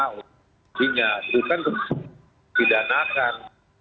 ini harusnya dihentikan dipidanakan